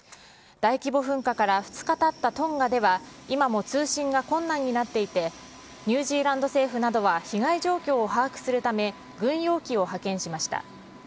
大規模噴火から２日たったトンガでは、今も通信が困難になっていて、ニュージーランド政府などは、被害状況を把握するため、軍用機を派遣しました。